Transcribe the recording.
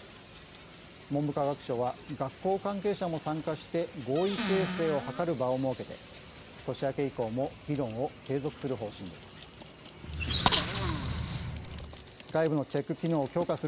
文部科学省は学校関係者も参加して合意形成を図る場を設けて年明け以降も議論を継続する方針です。